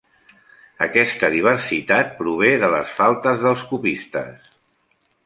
Aquesta diversitat prové de les faltes dels copistes.